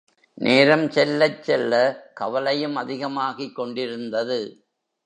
நேரம் செல்லச் செல்ல கவலையும் அதிகமாகிக் கொண்டிருந்தது.